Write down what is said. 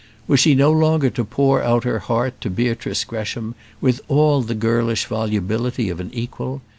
Was she no longer to pour out her heart to Beatrice Gresham with all the girlish volubility of an equal?